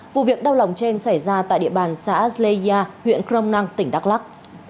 vụ việc đau lòng trên xảy ra tại địa bàn xã zleya huyện kronang tỉnh đắk lắc